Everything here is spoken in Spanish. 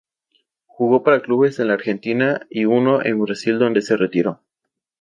Jugó para clubes en la Argentina y uno en Brasil donde se retiró.